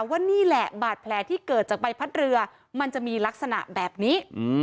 ว่านี่แหละบาดแผลที่เกิดจากใบพัดเรือมันจะมีลักษณะแบบนี้